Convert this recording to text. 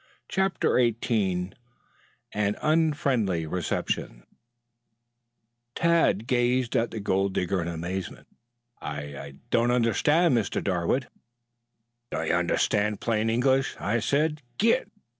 CHAPTER XVIII AN UNFRIENDLY RECEPTION Tad gazed at the gold digger in amazement. "I I don't understand, Mr. Darwood." "Don't you understand plain English? I said 'git.'